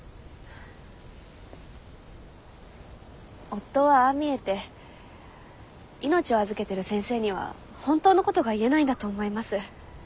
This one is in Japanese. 夫はああ見えて命を預けてる先生には本当のことが言えないんだと思います。